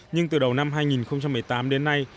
nhưng từ đầu năm hai nghìn một mươi tám đến nay